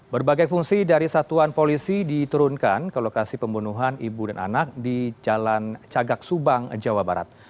berbagai fungsi dari satuan polisi diturunkan ke lokasi pembunuhan ibu dan anak di jalan cagak subang jawa barat